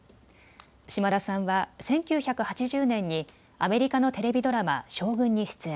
島田さんは１９８０年にアメリカのテレビドラマ、将軍ＳＨＯＧＵＮに出演。